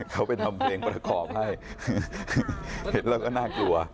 เขาไปทำเพลงประกอบให้เห็นแล้วก็น่ากลัว